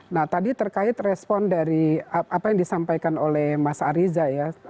nah tadi terkait respon dari apa yang disampaikan oleh mas ariza ya